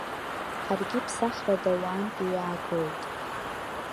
Ҳаргьы ԥсахрада уаантәи иаагоит.